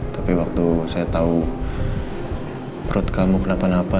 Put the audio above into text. tapi waktu saya tahu perut kamu kenapa napa